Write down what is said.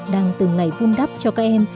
đang từng ngày vung đắp cho các em